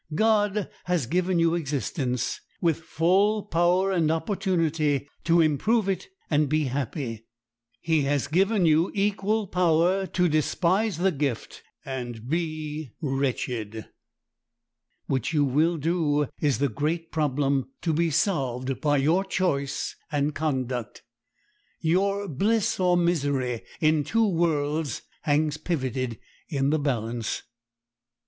God has given you existence, with full power and opportunity to improve it and be happy; he has given you equal power to despise the gift and be wretched; which you will do is the great problem to be solved by your choice and conduct. Your bliss or misery in two worlds hangs pivoted in the balance.